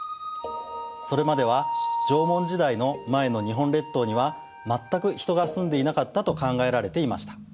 それまでは縄文時代の前の日本列島には全く人が住んでいなかったと考えられていました。